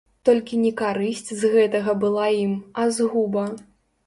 Толькі не карысць з гэтага была ім, а згуба.